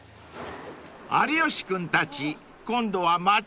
［有吉君たち今度は街中へ］